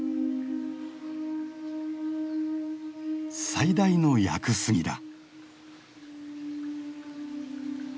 最大の屋久杉だ。